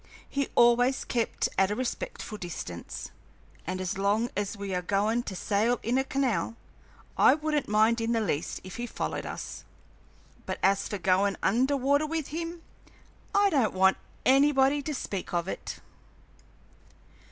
He always kept at a respectful distance, and as long as we are goin' to sail in a canal, I wouldn't mind in the least if he followed us. But as for goin' under water with him I don't want anybody to speak of it."